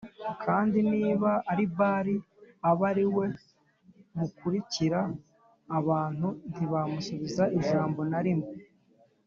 kandi niba ari Bāli abe ari we mukurikira” Abantu ntibamusubiza ijambo na rimwe